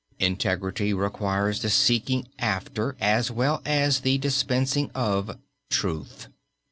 Integrity requires the seeking after, as well as the dispensing of, truth.